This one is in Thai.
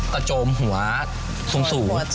ตะโจมหัวสูงสูง